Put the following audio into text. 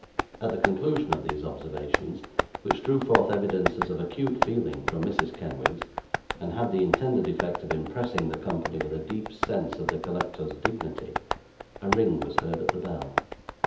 At the conclusion of these observations, which drew forth evidences of acute feeling from Mrs. Kenwigs, and had the intended effect of impressing the company with a deep sense of the collector's dignity, a ring was heard at the bell.